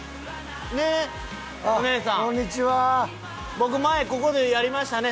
僕前ここでやりましたね